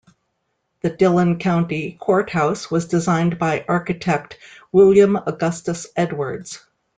The Dillon County Courthouse was designed by architect William Augustus Edwards.